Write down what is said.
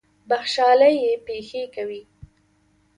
بخْشالۍ یې پېښې کوي.